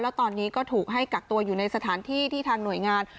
แล้วตอนนี้ก็ถูกให้กักตัวอยู่ในสถานที่ที่ทางหน่วยงาน